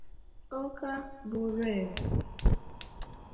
Awka' bụ Rev